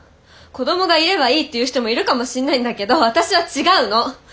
子どもがいればいいっていう人もいるかもしんないんだけど私は違うの！